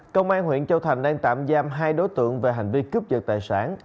công an huyện châu thành đang tạm giam hai đối tượng về hành vi cướp giật tài sản